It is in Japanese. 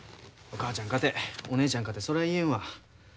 お母ちゃんかてお姉ちゃんかてそら言えんわ。